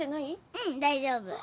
うん大丈夫。